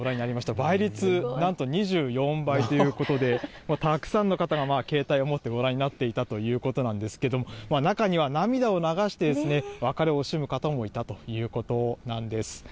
倍率、なんと２４倍ということで、たくさんの方が携帯を持ってご覧になっていたということなんですけれども、中には涙を流して別れを惜しむ方もいたということなんです。